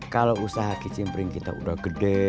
kalau usaha kicimpring kita udah gede